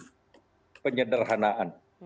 dan juga penyederhanaan